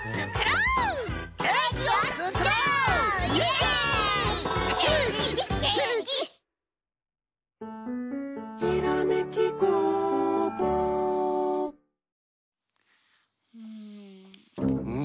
うん。